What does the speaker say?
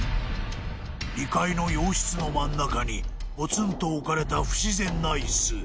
２階の洋室の真ん中にポツンと置かれた不自然な椅子